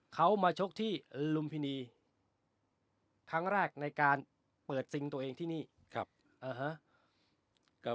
เขามาชกที่ลุมพินีครั้งแรกในการเปิดซิงตัวเองที่นี่